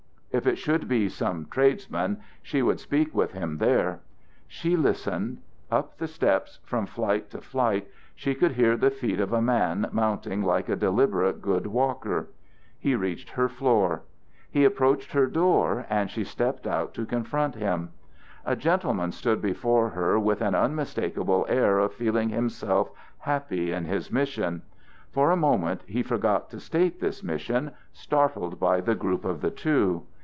If it should be some tradesman, she would speak with him there. She listened. Up the steps, from flight to flight, she could hear the feet of a man mounting like a deliberate good walker. He reached her floor. He approached her door and she stepped out to confront him. A gentleman stood before her with an unmistakable air of feeling himself happy in his mission. For a moment he forgot to state this mission, startled by the group of the two.